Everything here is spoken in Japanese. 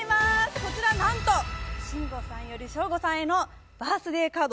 こちら何と信五さんより省吾さんへのバースデーカード。